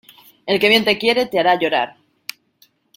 El que bien te quiere te hará llorar.